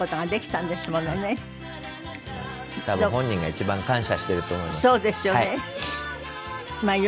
本人が一番感謝してると思います。